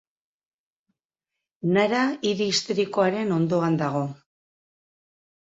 Nara hiri historikoaren ondoan dago.